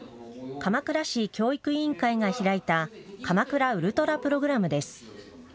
鎌倉市教育委員会が開いたかまくらＵＬＴＬＡプログラムです。